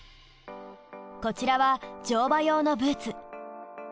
こちらは乗馬用のブーツ。